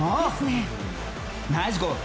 ナイスゴール！